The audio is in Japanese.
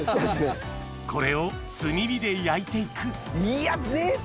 これを炭火で焼いて行く贅沢！